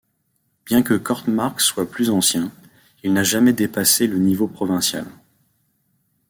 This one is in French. Bien que Kortemark soit plus ancien, il n'a jamais dépassé le niveau provincial.